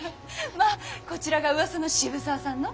まぁこちらがうわさの渋沢さんの。